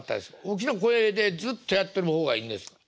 大きな声でずっとやってる方がいいんですか？